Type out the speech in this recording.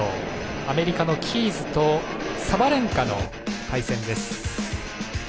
アメリカのキーズとサバレンカの対戦です。